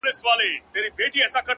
ما ويل وېره مي پر زړه پرېوته ـ